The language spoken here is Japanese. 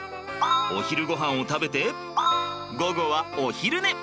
お昼ごはんを食べて午後はお昼寝。